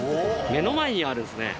目の前にあるんですね。